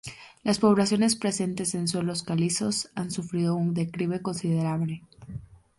Las poblaciones presentes en suelos calizos han sufrido un declive considerable.